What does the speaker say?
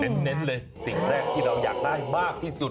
เน้นเลยสิ่งแรกที่เราอยากได้มากที่สุด